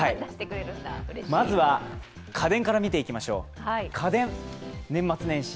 まずは、家電から見ていきましょう。